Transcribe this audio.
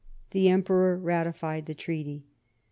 The Emperor ratified the treaty."